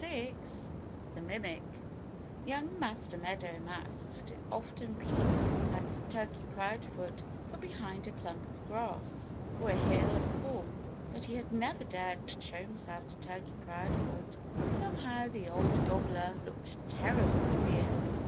VI THE MIMIC Young Master Meadow Mouse had often peeped at Turkey Proudfoot from behind a clump of grass, or a hill of corn. But he had never dared show himself to Turkey Proudfoot. Somehow the old gobbler looked terribly fierce.